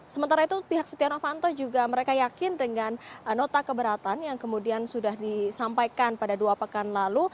sementara itu pihak setia novanto juga mereka yakin dengan nota keberatan yang kemudian sudah disampaikan pada dua pekan lalu